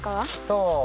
そう。